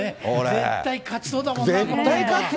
絶対勝ちそうだもんな。